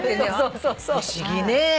不思議ね。